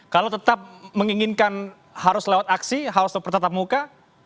bapak menginginkan harus lewat aksi harus lewat pertatap muka